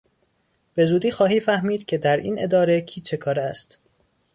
به زودی خواهی فهمید که در این اداره کی چه کاره است.